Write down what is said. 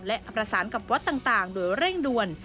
และอับราษันกับวัดต่างโดยเร่งด้วน